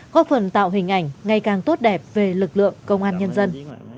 góp phần tạo hình ảnh ngày càng tốt đẹp về lực lượng công an nhân dân